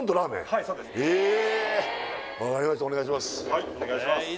はいお願いします